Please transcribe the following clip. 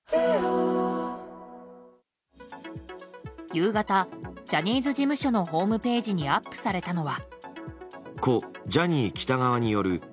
夕方、ジャニーズ事務所のホームページにアップされたのは。